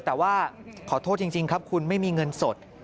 แต่ว่าขอโทษจริงครับคุณไม่มีเงินสด